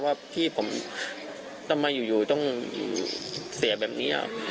ว่าที่ผมต้องมาอยู่ต้องเสียแบบนี้ครับ